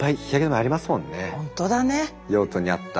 本当だね。